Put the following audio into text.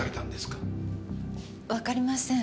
わかりません。